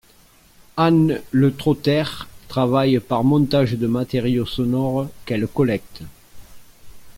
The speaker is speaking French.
Anne Le Troter travaille par montage de matériaux sonores qu'elle collecte.